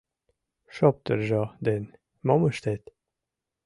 - Шоптыржо ден мом ыштет?